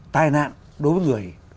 tai nạn đối với người